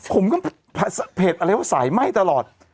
ผมก็เพจอะไรว่าสายไหม้ตลอด